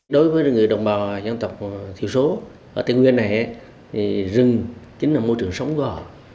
đối với người đồng bào dân tộc thiểu số ở tây nguyên này rừng chính là môi trường sống gò